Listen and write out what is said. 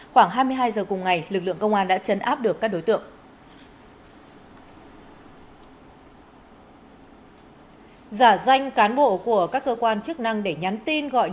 khoảng hai mươi hai giờ cùng ngày lực lượng công an đã chấn áp được các đối tượng